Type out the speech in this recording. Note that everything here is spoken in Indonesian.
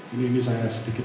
ini saya sedikit